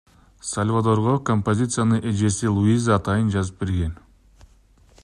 Сальвадорго композицияны эжеси Луиза атайын жазып берген.